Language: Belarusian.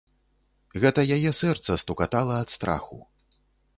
Гэта яе сэрца стукатала ад страху.